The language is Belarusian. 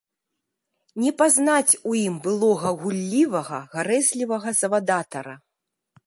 Не пазнаць у ім былога гуллівага, гарэзлівага завадатара.